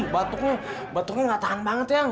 batuknya nggak tahan banget yang